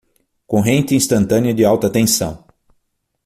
Corrente instantânea de alta tensão